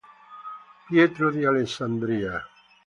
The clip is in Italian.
Pietro di Alessandria